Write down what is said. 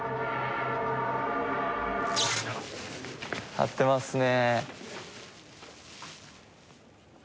張ってますね。